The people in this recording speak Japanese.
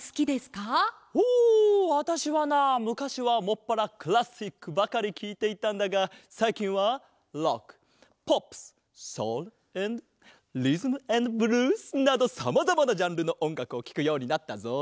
おわたしはなむかしはもっぱらクラシックばかりきいていたんだがさいきんはロックポップスソウルアンドリズムアンドブルースなどさまざまなジャンルのおんがくをきくようになったぞ。